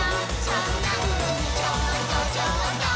「そんなふうにちょっとちょっとずつね」